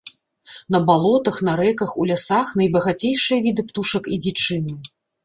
На балотах, на рэках, у лясах найбагацейшыя віды птушак і дзічыны.